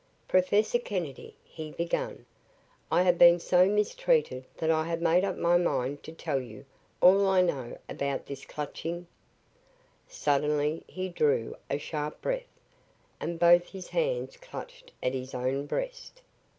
"Professor Kennedy," he began, "I have been so mistreated that I have made up my mind to tell you all I know about this Clutching " Suddenly he drew a sharp breath and both his hands clutched at his own breast.